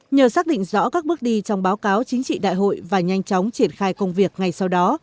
nhờ xác định rõ các bước đi trong báo cáo chính trị đại hội và nhanh chóng triển khai công việc ngay sau đó